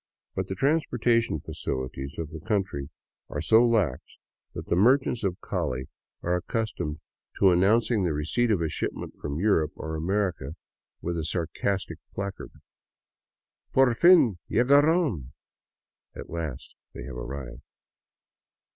But the transportation facilities of the country are so lax that the merchants of Cali are ac 82 ALONG THE CAUCA VALLEY customed to announce the receipt of a shipment from Europe or America with a sarcastic placard: " POR FIN llegaron!" (At last they have arrived.)